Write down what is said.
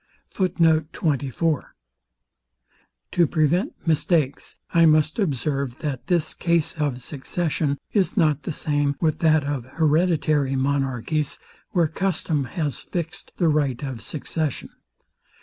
To prevent mistakes I must observe, that this case of succession is not the same with that of hereditary monarchies, where custom has fix'd the right of succession.